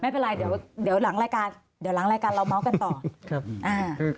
ไม่เป็นไรเดี๋ยวหลังรายการเราเมาส์กันต่อ